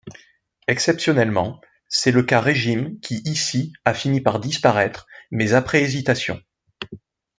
Exceptionnellement, c’est le cas régime qui ici a fini par disparaître mais après hésitation.